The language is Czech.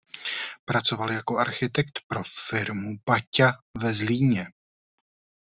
Pracoval jako architekt pro firmu Baťa ve Zlíně.